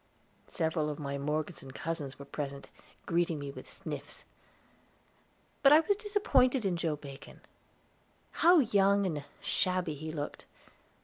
Several of my Morgeson cousins were present, greeting me with sniffs. But I was disappointed in Joe Bacon; how young and shabby he looked!